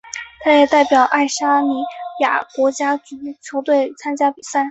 他也代表爱沙尼亚国家足球队参加比赛。